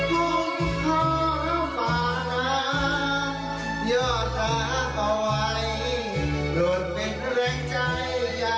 เพราะฟ้ายอดรักเอาไว้ลดเป็นแรงใจอย่างนี้เรื่อยไป